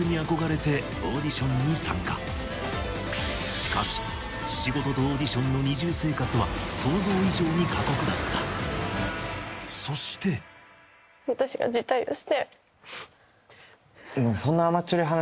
しかし仕事とオーディションの二重生活は想像以上に過酷だったそしてと思うし。